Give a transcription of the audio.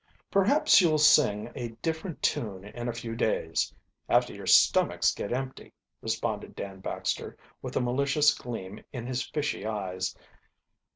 "Perhaps you'll sing a different tune in a few, days after your stomachs get empty," responded Dan Baxter, with a malicious gleam in his fishy eyes.